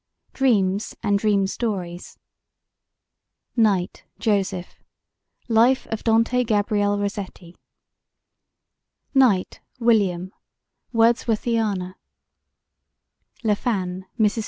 Dreams and Dream Stories KNIGHT, JOSEPH: Life of Dante Gabriel Rossetti KNIGHT, WILLIAM: Wordsworthiana LAFFAN, MRS.